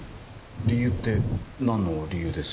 理由って何の理由です？